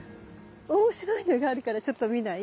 おもしろいのがあるからちょっと見ない？